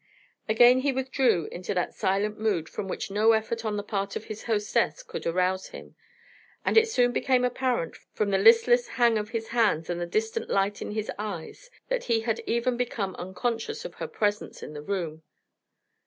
Again he withdrew into that silent mood from which no effort on the part of his hostess could arouse him, and it soon became apparent from the listless hang of his hands and the distant light in his eyes that he had even become unconscious of her presence in the room.